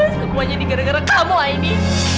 semuanya di gara gara kamu aini